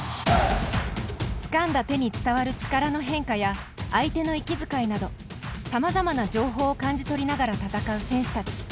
つかんだ手に伝わる力の変化や相手の息づかいなどさまざまな情報を感じ取りながら戦う選手たち。